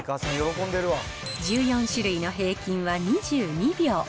１４種類の平均は２２秒。